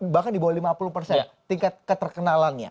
bahkan di bawah lima puluh persen tingkat keterkenalannya